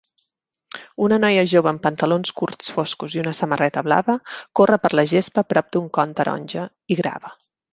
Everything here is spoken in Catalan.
Una noia jove amb pantalons curts foscos i una samarreta blava corre per la gespa prop d"un con taronja i grava.